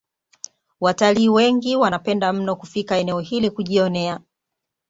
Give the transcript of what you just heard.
Watalii wengi wanapenda mno kufika eneo hili kujionea